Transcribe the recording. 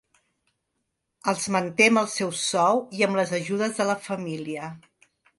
Els manté amb el seu sou i amb les ajudes de la família.